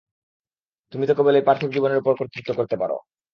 তুমি তো কেবল এই পার্থিব জীবনের উপর কর্তৃত্ব করতে পার।